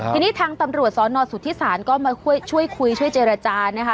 ทีนี้ทางตำรวจสนสุธิศาลก็มาช่วยคุยช่วยเจรจานะคะ